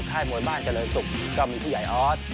ค่ายมวยบ้านเจริญสุกก็มีพี่ใหญ่ออส